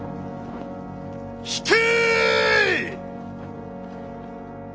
引け！